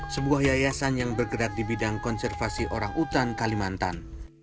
sebuah yayasan yang bergerak di bidang konservasi orang utan kalimantan